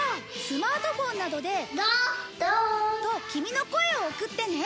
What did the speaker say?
スマートフォンなどで。とキミの声を送ってね。